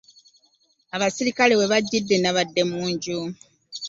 Abaserikale we bajjide nnabadde mu nju.